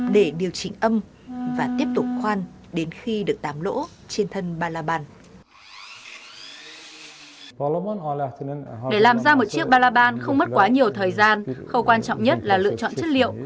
để làm ra một chiếc balaban không mất quá nhiều thời gian khâu quan trọng nhất là lựa chọn chất liệu